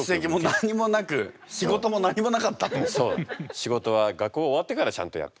仕事は学校が終わってからちゃんとやった。